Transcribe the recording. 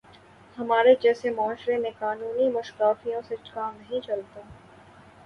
ہمارے جیسے معاشرے میں قانونی موشگافیوں سے کام نہیں چلتا۔